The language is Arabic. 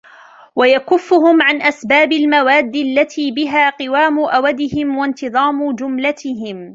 وَيَكُفُّهُمْ عَنْ أَسْبَابِ الْمَوَادِّ الَّتِي بِهَا قِوَامُ أَوَدِهِمْ وَانْتِظَامُ جُمْلَتِهِمْ